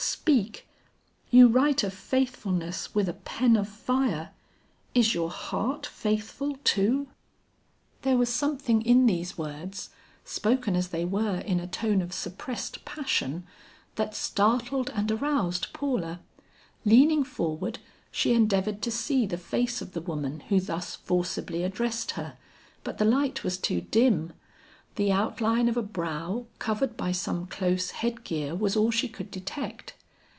Speak; you write of faithfulness with a pen of fire, is your heart faithful too?" There was something in these words, spoken as they were in a tone of suppressed passion, that startled and aroused Paula. Leaning forward, she endeavored to see the face of the woman who thus forcibly addressed her, but the light was too dim. The outline of a brow covered by some close headgear was all she could detect.